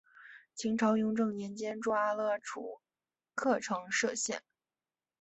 清朝雍正年间筑阿勒楚喀城设县。